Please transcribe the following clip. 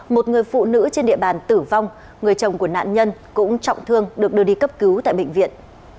một người phụ nữ trên địa bàn tử vong người chồng của nạn nhân cũng trọng thương được đưa đi cấp cứu tại bệnh viện